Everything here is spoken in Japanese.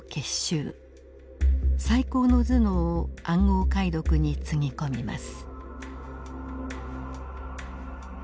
最高の頭脳を暗号解読につぎ込みます。